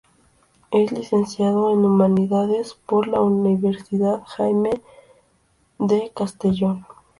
Es licenciado en Humanidades por la Universidad Jaime I de Castellón.